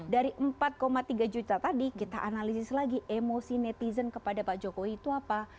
dari empat tiga juta tadi kita analisis lagi emosi netizen kepada pak jokowi itu apa